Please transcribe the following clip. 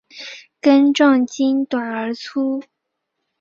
根状茎短而粗。